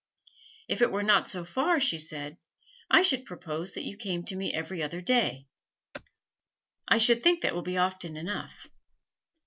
'If it were not so far,' she said, 'I should propose that you came to me every other day; I should think that will be often enough.'